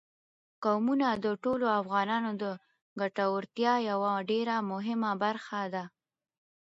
قومونه د ټولو افغانانو د ګټورتیا یوه ډېره مهمه برخه ده.